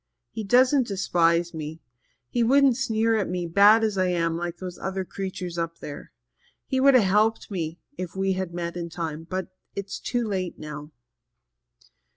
He doesn't despise me he wouldn't sneer at me, bad as I am, like those creatures up there. He could have helped me if we had met in time, but it's too late now."